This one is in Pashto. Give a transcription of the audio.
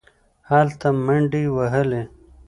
هلته منډې وهلې.